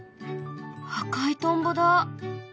赤いトンボだ。